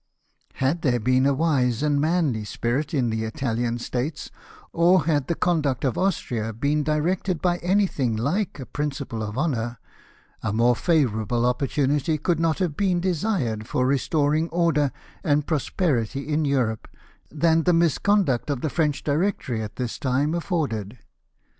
Had there been a wise and manly spirit in the Itahan states, or had the conduct of Austria been directed by anything like a principle of honour, a more favour able opportunity could not have been desired for restoring order and prosperity in Europe than the misconduct of the French Directory at this time afforded.